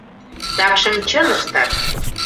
Такшым чын ыштат.